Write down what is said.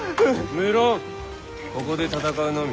無論ここで戦うのみ。